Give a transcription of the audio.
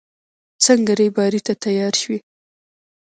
څنګه رېبارۍ ته تيار شوې.